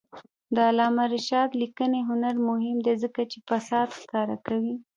د علامه رشاد لیکنی هنر مهم دی ځکه چې فساد ښکاره کوي.